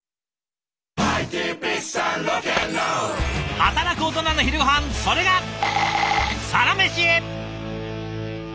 働くオトナの昼ごはんそれが「サラメシ」。